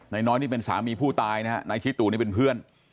น้อยนี่เป็นสามีผู้ตายนะฮะนายชิตูนี่เป็นเพื่อน